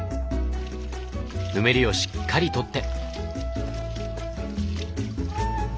ぬめりをしっかり取って。